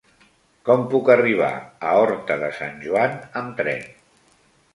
Com puc arribar a Horta de Sant Joan amb tren?